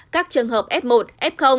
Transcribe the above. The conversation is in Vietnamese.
các trường hợp f một f